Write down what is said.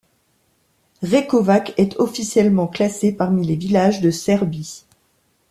Rekovac est officiellement classé parmi les villages de Serbie.